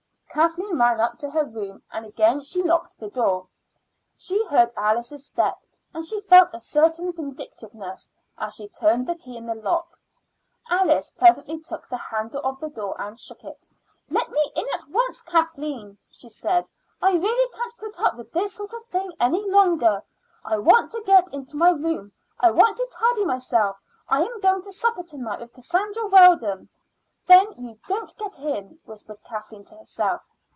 Kathleen ran up to her room, and again she locked the door. She heard Alice's step, and she felt a certain vindictiveness as she turned the key in the lock. Alice presently took the handle of the door and shook it. "Let me in at once, Kathleen," she said. "I really can't put up with this sort of thing any longer. I want to get into my room; I want to tidy myself. I am going to supper to night with Cassandra Weldon." "Then you don't get in," whispered Kathleen to herself.